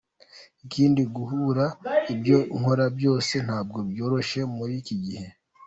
Ikindi, guhuza ibyo nkora byose ntabwo byoroshye muri iki gihe.